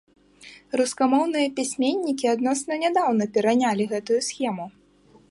Рускамоўныя пісьменнікі адносна нядаўна перанялі гэтую схему.